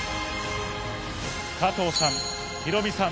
加藤さんヒロミさん